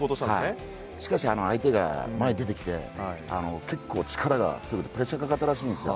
しかし、相手が前に出てきて結構力が強くてプレッシャーかかったらしいんです。